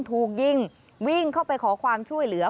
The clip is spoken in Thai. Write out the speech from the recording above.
ถูกยิงวิ่งเข้าไปขอความช่วยเหลือ